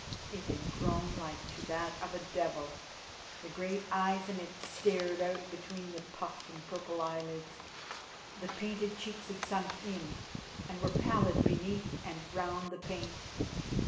It had grown like to that of a devil. The great eyes in it stared out between the puffed and purple eyelids. The painted cheeks had sunk in and were pallid beneath and round the paint.